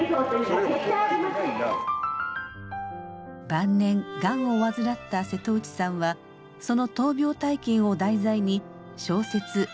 晩年がんを患った瀬戸内さんはその闘病体験を題材に小説「いのち」を執筆。